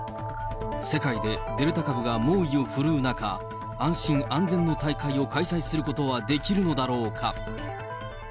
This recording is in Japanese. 世界でデルタ株が猛威を振るう中、安心・安全の大会を開催することはできるのだろうか。